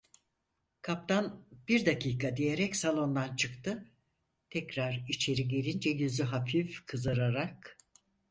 Kaptan: "Bir dakika!" diyerek salondan çıktı, tekrar içeri gelince, yüzü hafif kızararak: